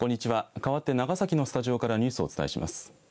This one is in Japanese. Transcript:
かわって長崎のスタジオからニュースをお伝えします。